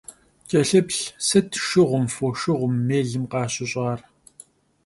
Ç'elhıplh, sıt şşığum, foşşığum, mêlım khaşış'ar?